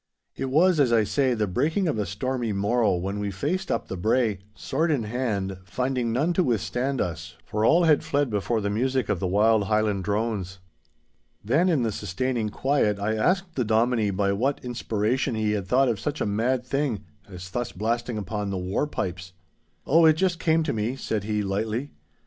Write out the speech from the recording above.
It was, as I say, the breaking of a stormy morrow when we faced up the brae, sword in hand, finding none to withstand us, for all had fled before the music of the wild Highland drones. Then in the sustaining quiet I asked the Dominie by what inspiration he had thought of such a mad thing as thus blasting upon the war pipes. 'Oh it just came to me!' said he, lightly.